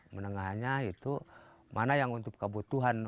menengahnya itu mana yang untuk kebutuhan